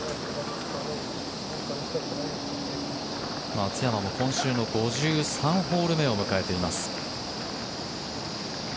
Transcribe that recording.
松山も今週の５３ホール目を迎えています。